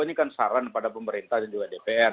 ini kan saran pada pemerintah dan juga dpr